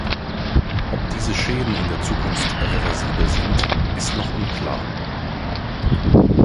Ob diese Schäden in der Zukunft reversibel sind, ist noch unklar.